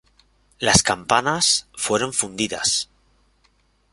Las campanas fueron fundidas.